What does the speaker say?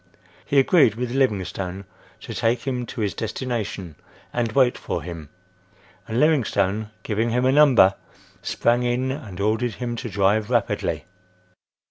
He agreed with Livingstone to take him to his destination and wait for him, and Livingstone, giving him a number, sprang in and ordered him to drive rapidly.